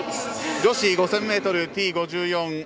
女子５０００ｍＴ５４